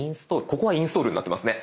ここはインストールになってますね。